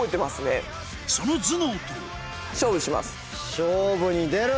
その頭脳と勝負に出る！